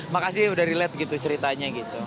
makasih udah relate gitu ceritanya gitu